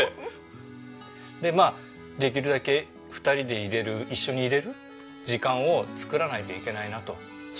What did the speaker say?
まあできるだけ２人でいられる一緒にいられる時間を作らないといけないなと。